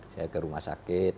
saya ke rumah sakit